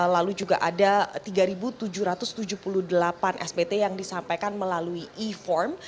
lalu juga ada tiga tujuh ratus tujuh puluh delapan spt yang disampaikan melalui e form